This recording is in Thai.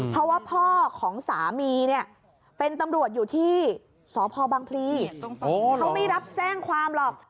เพราะว่าพ่อของสามีเนี่ยเป็นตำรวจอยู่ที่สพบังพลีเขาไม่รับแจ้งความหรอก